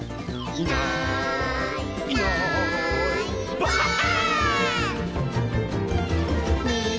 「いないいないばあっ！」